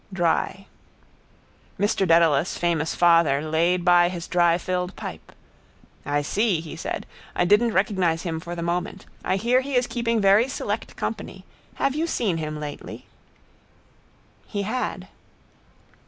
Dry. Mr Dedalus, famous father, laid by his dry filled pipe. —I see, he said. I didn't recognise him for the moment. I hear he is keeping very select company. Have you seen him lately? He had.